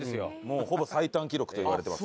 ほぼ最短記録といわれています。